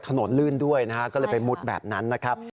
ลื่นด้วยนะฮะก็เลยไปมุดแบบนั้นนะครับ